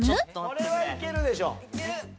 これはいけるでしょいける！